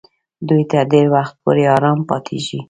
دوی تر ډېر وخت پورې آرام پاتېږي.